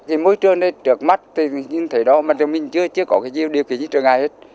thì môi trường này trượt mắt thì như thế đó mà mình chưa có điều kiện như trường ai hết